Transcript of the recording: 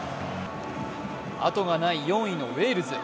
あとがない４位のウェールズ。